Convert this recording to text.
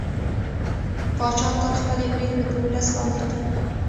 پاچا تل خپلې پرېکړې په ولس باندې تپي.